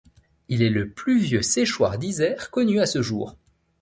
Il est le plus vieux séchoir d’Isère connu à ce jour.